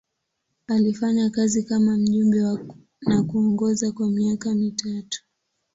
Alifanya kazi kama mjumbe na kuongoza kwa miaka mitatu.